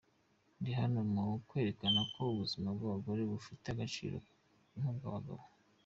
Ndi hano mu kwerekana ko ubuzima bw’abagore bufite agaciro nk’ubw’abagabo.